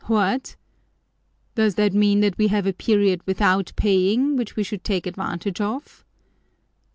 "What! Does that mean that we have a period without paying, which we should take advantage of?"